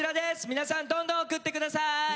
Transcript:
皆さんどんどん送って下さい！